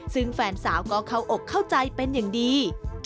ซึ่งแฟนสาวก็เข้าอกเข้าใจเป็นอย่างดี